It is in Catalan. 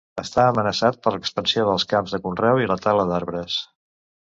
Està amenaçat per l'expansió dels camps de conreu i la tala d'arbres.